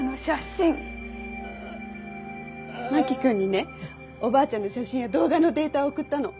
真木君にねおばあちゃんの写真や動画のデータを送ったの。